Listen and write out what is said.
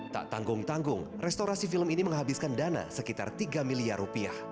tak tanggung tanggung restorasi film ini menghabiskan dana sekitar tiga miliar rupiah